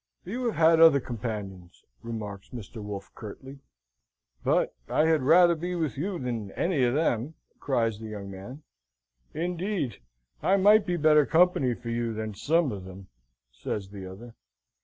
"You have had other companions," remarks Mr. Wolfe, curtly. "But I had rather be with you than any of them," cries the young man. "Indeed I might be better company for you than some of them," says the other.